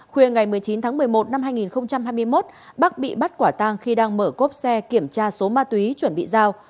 khuya ngày một mươi chín tháng một mươi một năm hai nghìn hai mươi một bắc bị bắt quả tang khi đang mở cốp xe kiểm tra số ma túy chuẩn bị giao